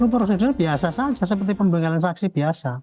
prosedur biasa saja seperti pembegalan saksi biasa